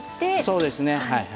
そうですね。